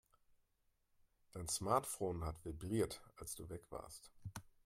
Dein Smartphone hat vibriert, als du weg warst.